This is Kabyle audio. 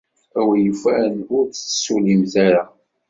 A win yufan, ur tettsullimt ara.